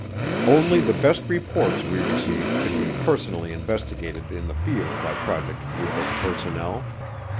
Only the best reports we received could be personally investigated in the field by Project Blue Book personnel.